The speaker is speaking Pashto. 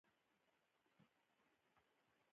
چرته کله کله په نصيب چې ښادي